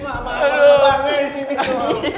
apa apaan kebangnya disini tuh